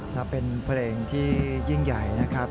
สวัสดีครับ